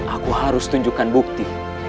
aku harus tunjukkan bukti